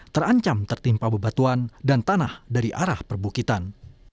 terancam tertimpa bebatuan dan tanah dari arah perbukitan